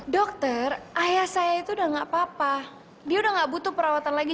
dia udah gak butuh perawatan lagi